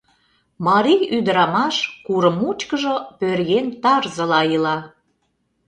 Марий ӱдырамаш курым мучкыжо пӧръеҥ тарзыла ила.